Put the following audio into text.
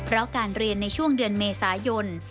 แล้วการเรียนในช่วงเดือนเมษายน